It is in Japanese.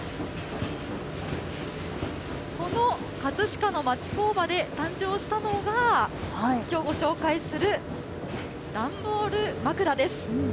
この葛飾の町工場で誕生したのが、きょうご紹介する段ボール枕です。